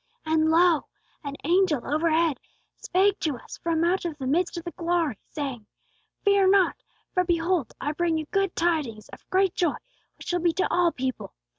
And, lo! an angel overhead spake to us from out of the midst of the glory, saying, 'Fear not: for, behold, I bring you good tidings of great joy, which shall be to all people.